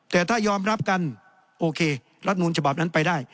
แต่ถ้ายอมรับกันโอเครัฐนูลฉบับนั้นไปได้